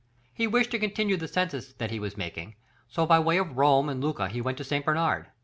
He wished to continue the census that he was making, so by way of Rome and Lucca he went to St. Bernard.